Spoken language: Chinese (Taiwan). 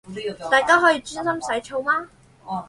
大家可以專心洗澡嗎